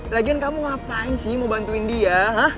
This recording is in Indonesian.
lagian kamu ngapain sih mau bantuin dia